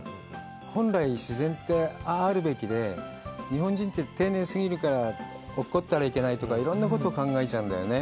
本来、自然って、あああるべきで、日本人って丁寧過ぎるから、落っこったらいけないとか、いろんなことを考えちゃうんだよね。